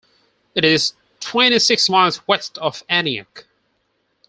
It is twenty-six miles west of Aniak.